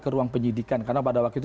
ke ruang penyidikan karena pada waktu itu